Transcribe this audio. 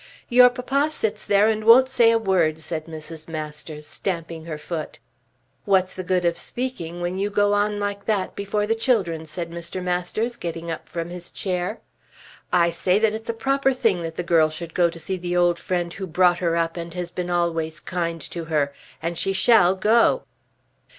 "Your papa sits there and won't say a word," said Mrs. Masters, stamping her foot. "What's the good of speaking when you go on like that before the children?" said Mr. Masters, getting up from his chair. "I say that it's a proper thing that the girl should go to see the old friend who brought her up and has been always kind to her, and she shall go."